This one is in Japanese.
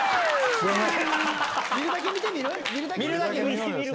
見るだけ見てみる？